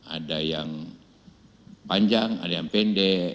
ada yang panjang ada yang pendek